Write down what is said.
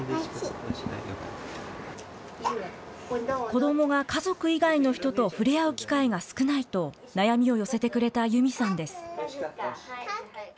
子どもが家族以外の人と触れ合う機会が少ないと、悩みを寄せてくれたＹｕｍｉさんです。